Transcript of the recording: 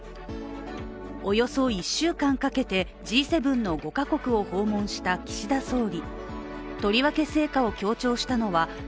およそ１週間かけてＧ７の５か国を訪問した岸田総理。